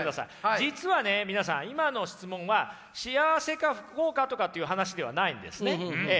実はね皆さん今の質問は幸せか不幸かとかっていう話ではないんですね。